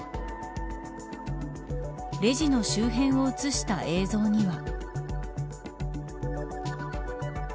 レジの周辺を映した映像には。